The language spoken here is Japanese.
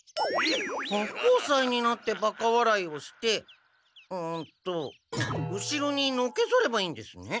八方斎になってバカわらいをしてんっと後ろにのけぞればいいんですね。